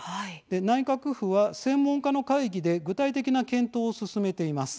内閣府は専門家の会議で具体的な検討を進めています。